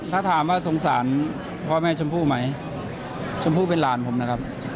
ถ้าถามว่าสงสารพ่อแม่ชมพู่ไหมชมพู่เป็นหลานผมนะครับ